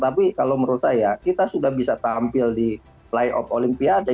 tapi kalau menurut saya kita sudah bisa tampil di layoff olimpiade